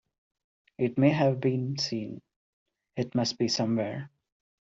It may have been seen; it must be somewhere.